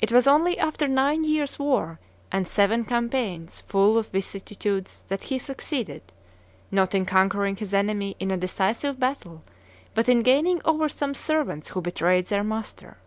It was only after nine years' war and seven campaigns full of vicissitudes that he succeeded, not in conquering his enemy in a decisive battle, but in gaining over some servants who betrayed their master.